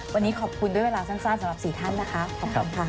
วันนี้ขอบคุณด้วยเวลาสั้นสำหรับสี่ท่านนะคะขอบคุณค่ะ